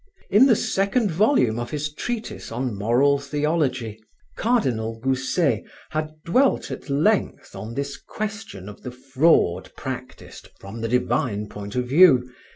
In the second volume of his treatise on moral theology, Cardinal Gousset had dwelt at length on this question of the fraud practiced from the divine point of view.